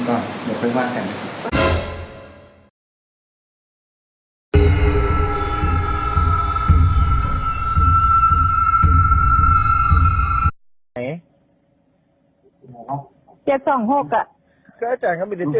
ก็เดาให้มีข้อมูลข้อเท็จจริงก่อนเดี๋ยวไปบาทกัน